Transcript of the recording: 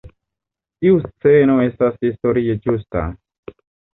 Tiu sceno estas historie ĝusta.